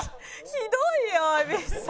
ひどいよ蛭子さん。